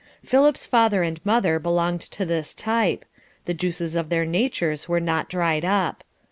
Philip's father and mother belonged to this type; the juices of their natures were not dried up.